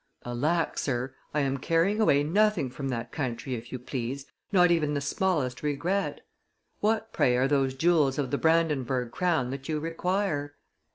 'Alack! sir, I am carrying away nothing from that country, if you please, not even the smallest regret. What, pray, are those jewels of the Brandenburg crown that you require?